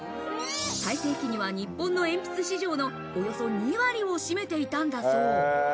最盛期には日本の鉛筆市場のおよそ２割を占めていたんだそう。